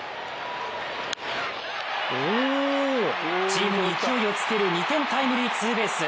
チームに勢いをつける２点タイムリーツーベース。